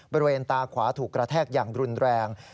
บริเวณตาขวาถูกกระแทกอย่างรุนแรง